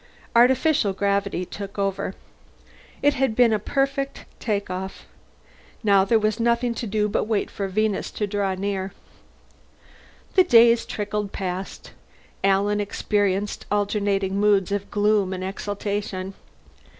Artificial gravity took over. It had been a perfect takeoff. Now there was nothing to do but wait for Venus to draw near. The days trickled past. Alan experienced alternating moods of gloom and exultation.